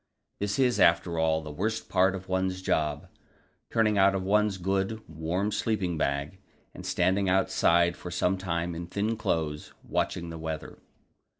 This is, after all, the worst part of one's job turning out of one's good, warm sleeping bag, and standing outside for some time in thin clothes, watching the weather.